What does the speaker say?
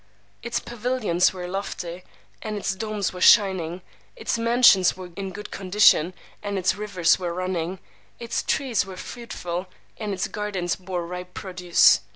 Its pavilions were lofty, and its domes were shining; its mansions were in good condition, and its rivers were running; its trees were fruitful, and its gardens bore ripe produce.